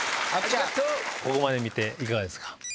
ここまで見ていかがですか？